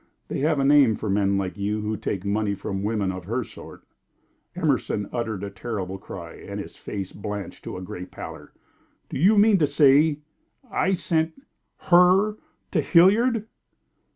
They have a name for men like you who take money from women of her sort." Emerson uttered a terrible cry, and his face blanched to a gray pallor. "Do you mean to say I sent her to Hilliard?"